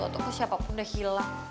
untuk ke siapapun udah hilang